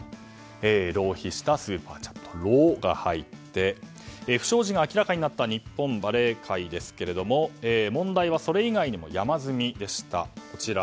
浪費したスーパーチャット「ロ」が入って不祥事が明らかになった日本バレー界ですが問題はそれ以外にも山積みでした。